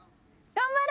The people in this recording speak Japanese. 頑張れ！